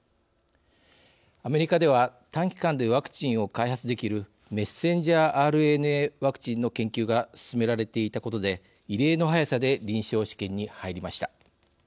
アメリカでは短期間でワクチンを開発できるメッセンジャーＲＮＡワクチンの研究が進められていたことで異例の速さで臨床試験に入りました。